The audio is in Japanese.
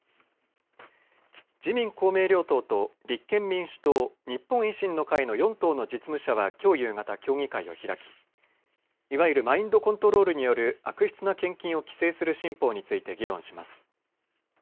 自民公明両党と立憲民主党、日本維新の会の４党の実務者はきょう夕方、協議会を開きいわゆるマインドコントロールによる悪質な献金を規制する新法について議論します。